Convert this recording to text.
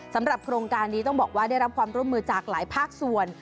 สำหรับโครงการนี้ต้องบอกว่าได้รับความร่วมมือจากหลายภาคส่วน